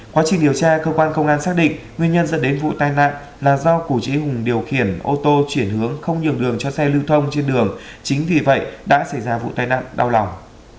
quá trình điều tra cơ quan công an xác định nguyên nhân dẫn đến vụ tai nạn là do củ trí hùng điều khiển ô tô chuyển hướng không nhường đường cho xe lưu thông trên đường chính vì vậy đã xảy ra vụ tai nạn đau lòng